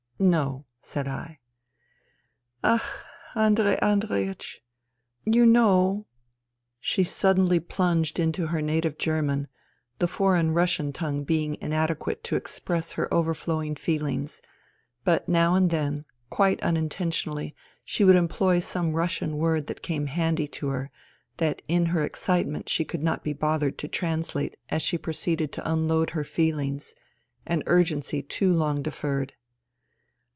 " No," said I. ^' Ach ! Andrei Andreiech, you know. ... You know. ..." She suddenly plunged into her native German, the foreign Russian tongue being inade quate to express her overflowing feelings, but now and then, quite unintentionally, she would employ some Russian word that came handy to her, that in her excitement she could not be bothered to translate as she proceeded to unload her feeUngs — an urgency too long deferred.